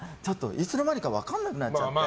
いつの間にか分からなくなっちゃって。